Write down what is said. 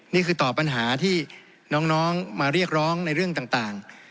นี่คือต่อปัญหาที่น้องมาเรียกร้องในเรื่องต่าง